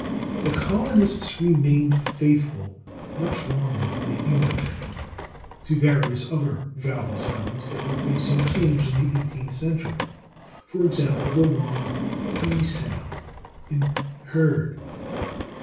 The colonists remained faithful much longer than the English to various other vowel sounds that were facing change in the eighteenth century, for example, the long /e/ sound in /heard